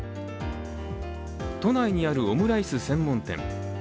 都内にあるオムライス専門店。